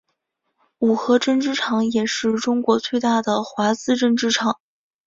五和针织厂也是中国最大的华资针织厂。